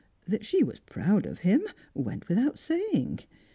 That she was proud of him, went without saying.